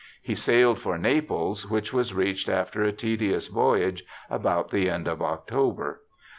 He sailed for Naples, which was reached after a tedious voyage about the end of October.